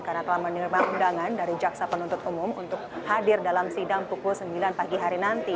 karena telah menerima undangan dari jaksa penuntut umum untuk hadir dalam sidang pukul sembilan pagi hari nanti